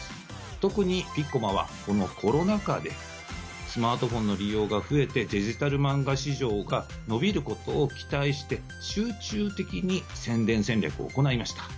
特にピッコマは、このコロナ禍でスマートフォンの利用が増えて、デジタル漫画市場が伸びることを期待して、集中的に宣伝戦略を行いました。